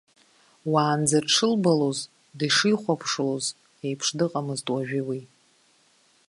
Уаанӡа дшылбалоз, дышихәаԥшлоз еиԥш дыҟамызт уажәы уи.